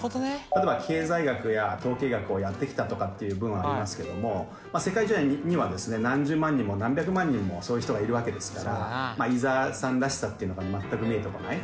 例えば「経済学や統計学をやってきた」とかっていう文ありますけども世界中には何十万人も何百万人もそういう人がいるわけですから伊沢さんらしさっていうのが全く見えてこない。